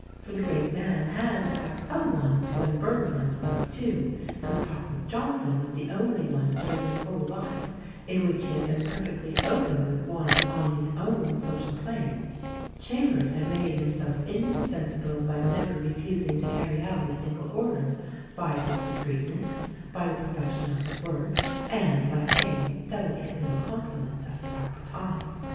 For the great man had to have some one to unburden himself to, and the talk with Johnson was the only one during his whole life in which he had been perfectly open with one on his own social plane. Chambers had made himself indispensable by never refusing to carry out a single order, by his discreet ness, by the perfection of his work, and by paying delicate little compliments at the proper time.